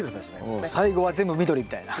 最後は全部緑みたいな。